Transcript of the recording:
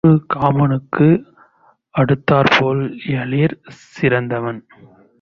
தும்புரு காமனுக்கு அடுத்தாற்போல யாழிற் சிறந்தவன்.